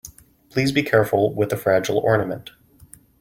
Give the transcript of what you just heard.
Please be careful with the fragile ornament.